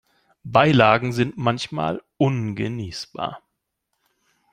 Beilagen sind manchmal ungenießbar.